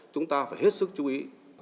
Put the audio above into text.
chúng ta phải hết sức chú ý